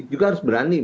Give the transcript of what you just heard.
juga harus berani